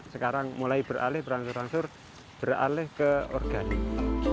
sekarang mulai beralih berangsur angsur beralih ke organik